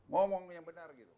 ngomong yang benar gitu